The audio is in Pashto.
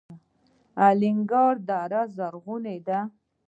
الینګار دره زرغونه ده؟